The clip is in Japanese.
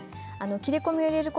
切れ込みを入れます。